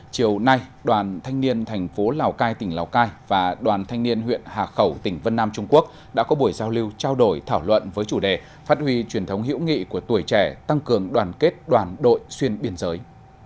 chiều nay đoàn thanh niên thành phố lào cai tỉnh lào cai và đoàn thanh niên huyện hà khẩu tỉnh vân nam trung quốc đã có buổi giao lưu trao đổi thảo luận với chủ đề phát huy truyền thống hữu nghị của tuổi trẻ tăng cường đoàn kết đoàn đội xuyên biên giới